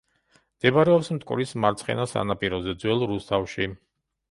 მდებარეობს მტკვრის მარცხენა სანაპიროზე, ძველ რუსთავში.